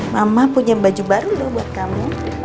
mama punya baju baru loh buat kamu